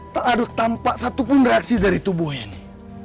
tak ada tampak satupun reaksi dari tubuh ini